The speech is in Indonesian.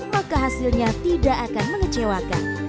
maka hasilnya tidak akan mengecewakan